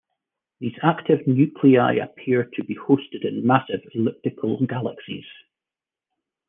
These active nuclei appear to be hosted in massive elliptical galaxies.